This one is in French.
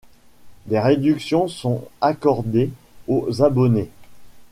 Des réductions sont accordées aux abonnés.